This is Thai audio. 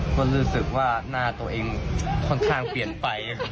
ก็รู้สึกว่าหน้าตัวเองค่อนข้างเปลี่ยนไป